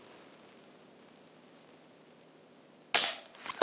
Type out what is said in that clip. あ！